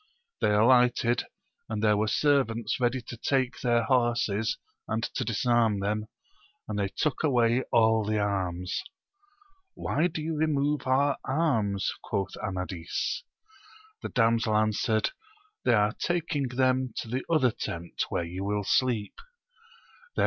They alighted, and there were servants ready to take their horses^ and to disarm them, and they took away all the arms. Why do you remove our arms 1 quoth Amadis. The damsel answered, They are taking them to the other teni where yon will sleep* Then.